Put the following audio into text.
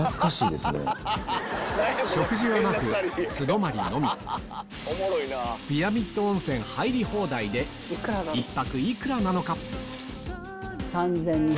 食事はなく素泊まりのみピラミッド温泉入り放題で１泊幾らなのか？